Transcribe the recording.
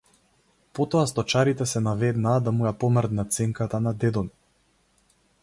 Потоа сточарите се наведнаа да му ја помрднат сенката на дедо ми.